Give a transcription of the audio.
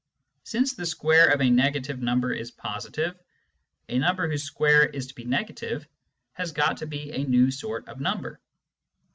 Since the square of a negative number is positive, a number whose square is to be negative has to be a new sort of number.